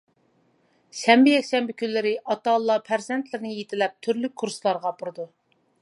شەنبە، يەكشەنبە كۈنلىرى ئاتا-ئانىلار پەرزەنتلىرىنى يېتىلەپ تۈرلۈك كۇرسلارغا ئاپىرىدۇ.